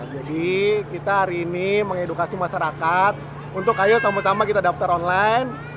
jadi kita hari ini mengedukasi masyarakat untuk ayo sama sama kita daftar online